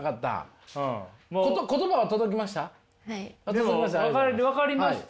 でも分かりました？